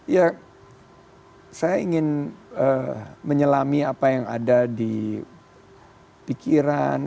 ya saya ingin menyelami apa yang ada di pikiran